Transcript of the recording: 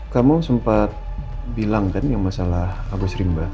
kamu sempat bilang kan yang masalah agus rimba